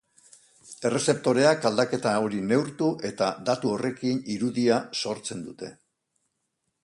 Errezeptoreak aldaketa hori neurtu eta datu horrekin irudia sortzen dute.